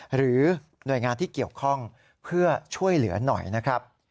หรือหน่วยงานที่เกี่ยวข้องเพื่อช่วยเหลือหน่อยนะครับ